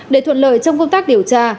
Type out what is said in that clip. để thuận lợi trong công tác điều tra